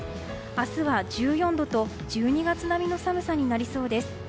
明日は１４度と１２月並みの寒さになりそうです。